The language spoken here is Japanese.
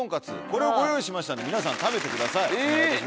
これをご用意しましたんで皆さん食べてください。